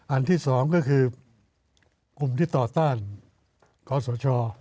อันที่๒ก็คืออยู่ในกลุ่มที่ต่อต้านคอสช